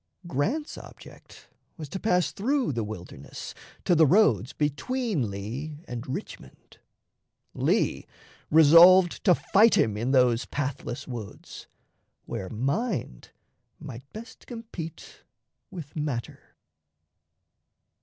Grant's object was to pass through "the Wilderness" to the roads between Lee and Richmond. Lee resolved to fight him in those pathless woods, where mind might best compete with matter.